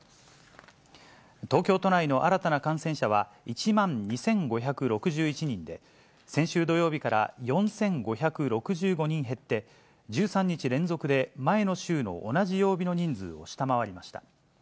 東京都内の新たな感染者は１万２５６１人で、先週土曜日から４５６５人減って、１３日連続で、前の週の同じ曜日の人数を下回りました。